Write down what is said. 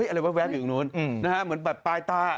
อะไรแว๊บอยู่ตรงนู้นนะฮะเหมือนแบบปลายตา